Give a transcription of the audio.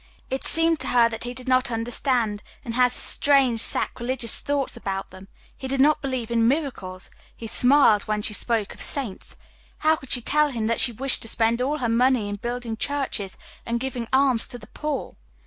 It seemed to her that he did not understand and had strange sacrilegious thoughts about them he did not believe in miracles he smiled when she spoke of saints. How could she tell him that she wished to spend all her money in building churches and giving alms to the poor?